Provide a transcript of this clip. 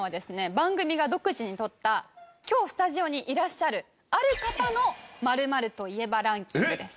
番組が独自にとった今日スタジオにいらっしゃるある方の○○といえばランキングです。